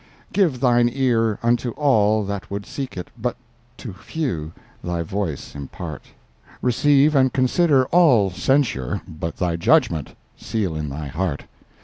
Give thine ear unto all that would seek it But to few thy voice impart; Receive and consider all censure But thy judgment seal in thy heart.